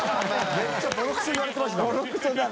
めっちゃボロクソ言われてますたぶん。